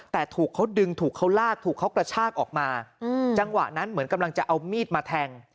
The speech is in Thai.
แต่ถูกเขาดึงถูกเขาลากถูกเขากระชากออกมาจังหวะนั้นเหมือนกำลังจะเอามีดมาแทง